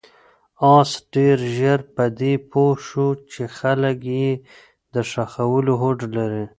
آس ډېر ژر په دې پوه شو چې خلک یې د ښخولو هوډ لري.